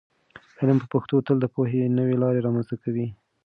علم په پښتو تل د پوهې نوې لارې رامنځته کوي.